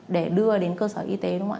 để đưa đến cơ sở y tế đúng không ạ